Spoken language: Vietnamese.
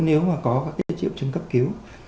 nếu mà có các triệu chứng cấp cứu